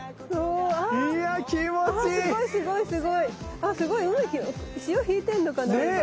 あっすごい海潮引いてんのかな。ね。